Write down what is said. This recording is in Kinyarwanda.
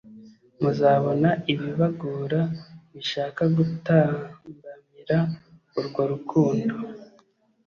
muzabona ibibagora bishaka gutambamira urwo rukundo